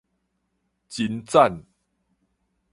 真讚